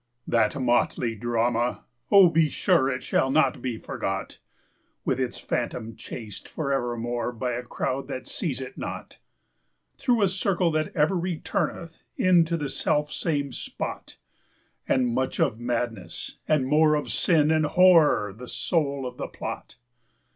That motley drama—oh, be sureIt shall not be forgot! With its Phantom chased for evermore, By a crowd that seize it not, Through a circle that ever returneth inTo the self same spot, And much of Madness, and more of Sin, And Horror the soul of the plot.